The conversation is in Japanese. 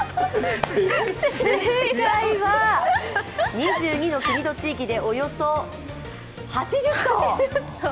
正解は２２の国と地域でおよそ８０頭。